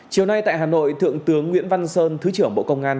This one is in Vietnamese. chiều nay tại hà nội thượng tướng nguyễn văn sơn thứ trưởng bộ công an